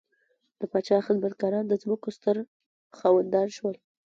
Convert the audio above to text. د پاچا خدمتګاران د ځمکو ستر خاوندان شول.